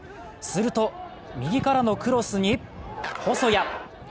すると、右からのクロスに細谷！